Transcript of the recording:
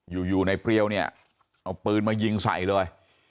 อยู่ในเปรียวเนี่ยเอาปืนมายิงใส่เลย